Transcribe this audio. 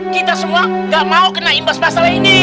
kita semua gak mau kena imbas masalah ini